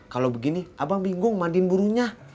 kalau begini abang bingung mandiin burungnya